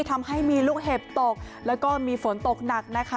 ทำให้มีลูกเห็บตกแล้วก็มีฝนตกหนักนะคะ